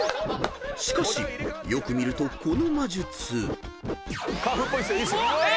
［しかしよく見るとこの魔術］